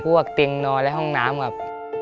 เตียงนอนและห้องน้ำครับ